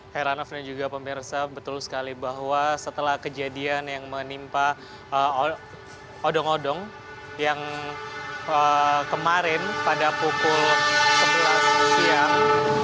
heranov dan juga pemirsa betul sekali bahwa setelah kejadian yang menimpa odong odong yang kemarin pada pukul sebelas siang